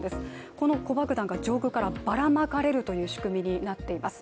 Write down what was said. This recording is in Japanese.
この子爆弾が上空からばらまかれるという仕組みになっています。